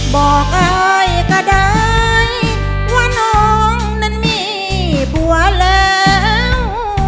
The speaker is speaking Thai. บอกอายก็ได้ว่าน้องนั้นมีผัวแล้ว